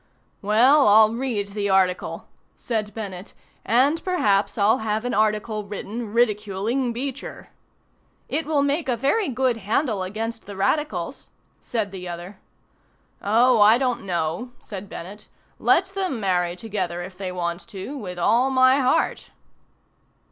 "Well, I'll read the article," said Bennett. "And perhaps I'll have an article written ridiculing Beecher." "It will make a very good handle against the radicals," said the other. "Oh, I don't know," said Bennett. "Let them marry together, if they want to, with all my heart."